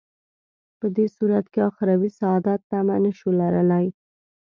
په دې صورت کې اخروي سعادت تمه نه شو لرلای.